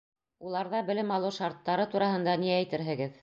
Уларҙа белем алыу шарттары тураһында ни әйтерһегеҙ?